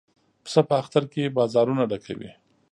پسه په اختر کې بازارونه ډکوي.